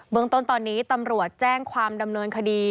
เมืองต้นตอนนี้ตำรวจแจ้งความดำเนินคดี